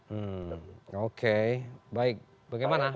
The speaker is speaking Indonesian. hmm oke baik bagaimana